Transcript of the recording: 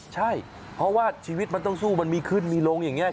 ใช่เพราะว่าชีวิตมันต้องสู้มันมีขึ้นมีลงอย่างนี้